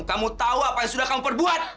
kamu tahu apa yang sudah kamu perbuat